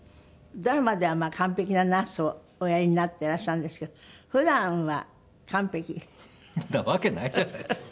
ドラマでは完璧なナースをおやりになっていらっしゃるんですけど普段は完璧？なわけないじゃないですか。